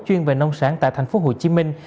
chuyên về nông sản tại thành phố hồ chí minh